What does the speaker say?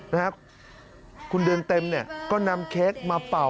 นะครับคุณเดือนเต็มเนี่ยก็นำเค้กมาเป่า